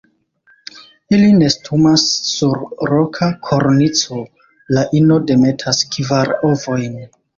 Ili nestumas sur roka kornico; la ino demetas kvar ovojn.